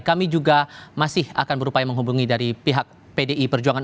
kami juga masih akan berupaya menghubungi dari pihak pdi perjuangan